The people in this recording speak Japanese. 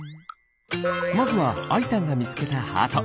まずはあいたんがみつけたハート。